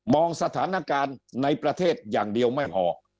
องสถานการณ์ในประเทศอย่างเดียวไม่พอ